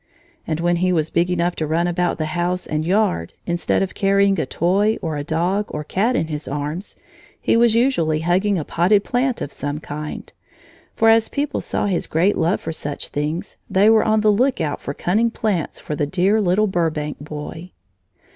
And when he was big enough to run about the house and yard, instead of carrying a toy or a dog or cat in his arms, he was usually hugging a potted plant of some kind, for as people saw his great love for such things, they were on the lookout for cunning plants for the dear little Burbank boy.